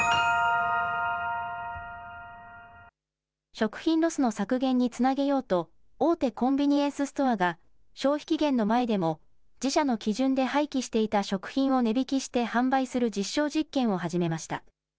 食品ロスの削減につなげようと大手コンビニエンスストアが消費期限の前でも自社の基準で廃棄していた食品を値引きして販売する実証実験を始めました。